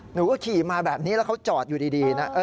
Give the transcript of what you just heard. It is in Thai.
หนูก็ขี่มาแบบนี้แล้วเขาจอดอยู่ดีนะ